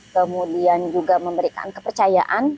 kemudian juga memberikan kepercayaan